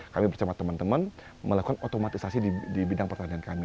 kami bercampak teman teman melakukan otomatisasi di bidang pertanian